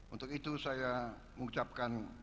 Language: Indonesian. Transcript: untuk itu saya mengucapkan